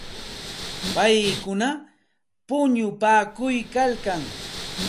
Paykuna punupaakuykalkan.